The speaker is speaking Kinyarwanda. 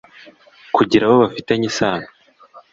kugira abo bafitanye isano